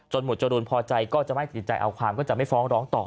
หมวดจรูนพอใจก็จะไม่ติดใจเอาความก็จะไม่ฟ้องร้องต่อ